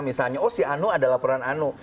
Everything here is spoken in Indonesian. misalnya oh si anu ada laporan anu